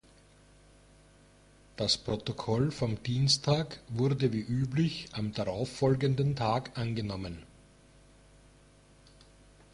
Das Protokoll vom Dienstag wurde wie üblich am darauffolgenden Tag angenommen.